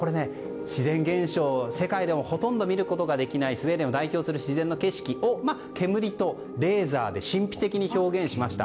自然現象でほとんど見ることができないスウェーデンを代表する自然の景色を煙とレーザーで神秘的に表現しました。